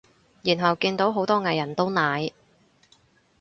然後見到好多藝人都奶